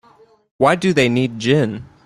Why do they need gin?